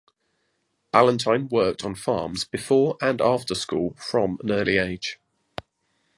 Ballantine worked on farms before and after school from an early age.